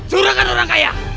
curahkan orang kaya